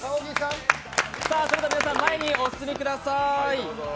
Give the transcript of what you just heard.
それでは、皆さん前にお進みください。